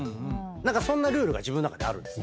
何かそんなルールが自分の中にあるんです。